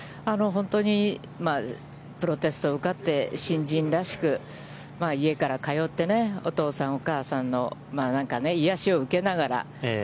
本当にプロテストを受かって、新人らしく、家から通ってね、お父さん、お母さんの何かね、癒やしを受けながら。